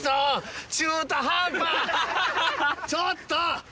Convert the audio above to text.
ちょっと！